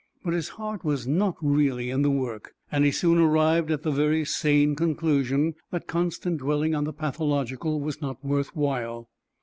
But his heart was not really in the work; he soon arrived at the very sane conclusion that constant dwelling on the pathological was not worth while.